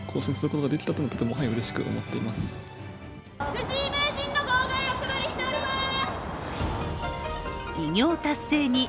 藤井名人の号外、お配りしています！